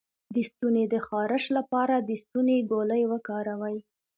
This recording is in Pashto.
د ستوني د خارش لپاره د ستوني ګولۍ وکاروئ